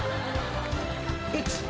１。